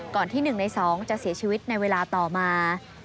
ที่๑ใน๒จะเสียชีวิตในเวลาต่อมา